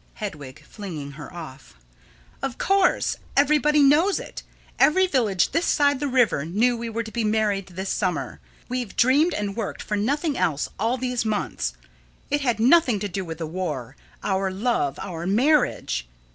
Hedwig: [Flinging her off.] Of course. Everybody knows it. Every village this side the river knew we were to be married this summer. We've dreamed and worked for nothing else all these months. It had nothing to do with the war our love, our marriage.